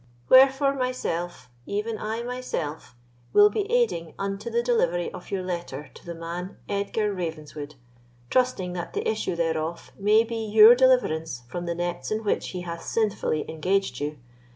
Wherefore myself, even I myself, will be aiding unto the delivery of your letter to the man Edgar Ravenswood, trusting that the issue thereof may be your deliverance from the nets in which he hath sinfully engaged you.